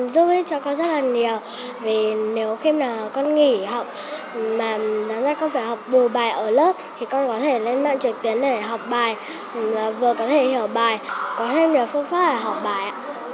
giúp ích cho con rất là nhiều vì nếu khi nào con nghỉ học mà dám ra con phải học đủ bài ở lớp thì con có thể lên mạng trực tiến để học bài vừa có thể hiểu bài có thêm nhiều phương pháp để học bài